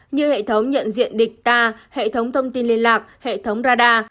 như hệ thống nhận diện địch ta hệ thống thông tin liên lạc hệ thống radar